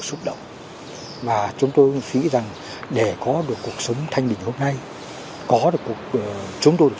xúc động và chúng tôi nghĩ rằng để có được cuộc sống thanh bình hôm nay có được cuộc chúng tôi được